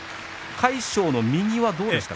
魁勝の右はどうでしたか。